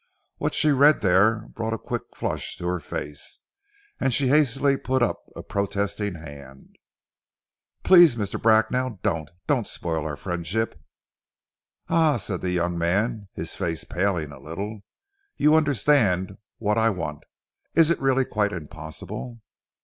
What she read there brought a quick flush to her face, and she hastily put up a protesting hand. "Please, Mr. Bracknell, don't! Don't spoil our friendship!" "Ah!" said the young man, his face paling a little, "you understand what I want. Is it really quite impossible?"